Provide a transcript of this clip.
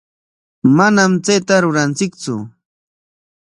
Manam chayta ruranchiktsu.